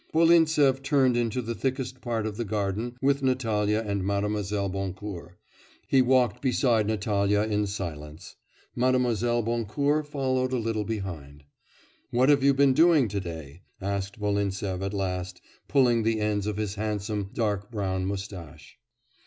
Volintsev turned into the thickest part of the garden with Natalya and Mlle. Boncourt. He walked beside Natalya in silence. Mlle. Boncourt followed a little behind. 'What have you been doing to day?' asked Volintsev at last, pulling the ends of his handsome dark brown moustache.